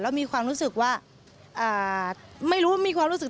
มีความรู้สึกว่าไม่รู้มีความรู้สึก